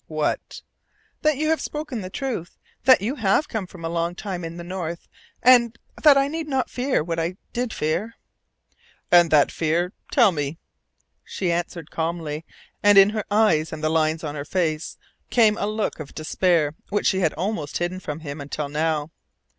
"What?" "That you have spoken the truth, that you have come from a long time in the North, and that I need not fear what I did fear." "And that fear? Tell me " She answered calmly, and in her eyes and the lines of her face came a look of despair which she had almost hidden from him until now.